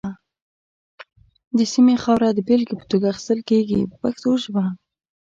د سیمې خاوره د بېلګې په توګه اخیستل کېږي په پښتو ژبه.